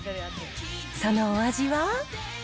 そのお味は？